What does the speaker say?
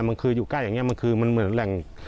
มันคืออยู่ใกล้อย่างนี้มันคือมันเหมือนแหล่ง